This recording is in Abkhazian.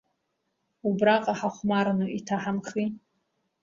Убраҟа, ҳахәмарны иҭаҳамхи?!